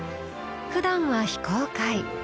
ふだんは非公開。